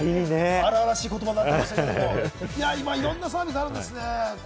荒々しい言葉になってましたけど、今いろんなサービスがあるんですね。